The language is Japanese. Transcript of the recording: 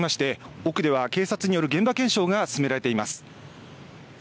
奥では警察による現場検証が進められています。